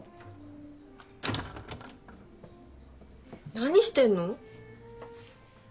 何してんの？